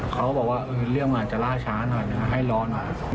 เขาบอกว่าเรื่องอาจจะล่าช้าหน่อยนะให้รอหน่อย